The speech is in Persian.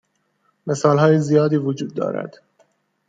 مثال های زیادی وجود دارد.